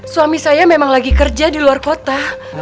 suami saya memang lagi kerja di luar kota